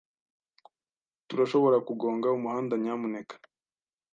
Turashobora kugonga umuhanda, nyamuneka?